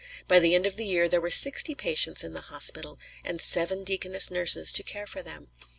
By the end of the year there were sixty patients in the hospital, and seven deaconess nurses to care for them.